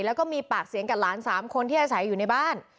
แล้วก็มีปากเสียงกับหลาน๓คนที่อาศัยอยู่ในบ้าน